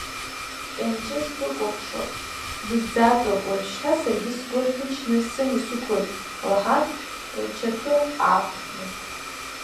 Кьанџьы, сбыкәыхшоп, сбызӡатәуп, уажәшьҭа саргьы сгәы рҭынчны сымҩа сықәлот, лҳан, лчақы аақәхны…